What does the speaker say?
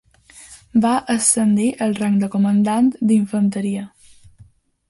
Va ascendir al rang de comandant d'infanteria.